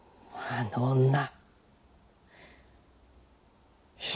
あの女狐。